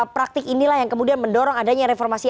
praktik inilah yang kemudian mendorong adanya reformasi